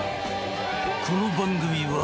この番組は